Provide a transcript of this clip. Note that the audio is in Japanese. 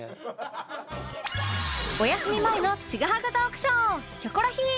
お休み前のちぐはぐトークショー